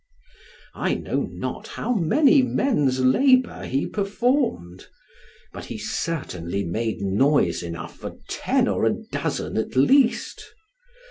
I know not how many men's labor he performed, but he certainly made noise enough for ten or a dozen at least.